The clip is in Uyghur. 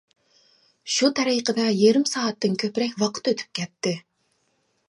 شۇ تەرىقىدە يېرىم سائەتتىن كۆپرەك ۋاقىت ئۆتۈپ كەتتى.